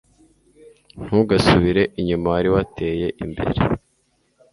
Ntugasubire inyuma wari wateye imbeye.